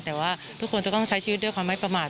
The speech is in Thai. แต่ว่าทุกคนจะต้องใช้ชีวิตด้วยความไม่ประมาท